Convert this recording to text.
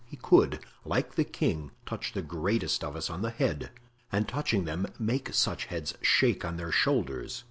He could, like the king, touch the greatest of us on the head, and touching them make such heads shake on their shoulders.